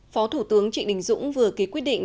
phó thủ tướng trịnh đình dũng vừa ký quyết định